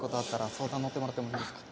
相談乗ってもらってもいいですか？